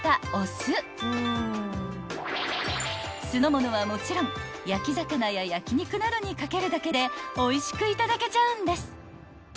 ［酢の物はもちろん焼き魚や焼き肉などに掛けるだけでおいしくいただけちゃうんです］